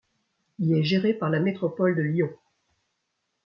Il est géré par la Métropole de Lyon.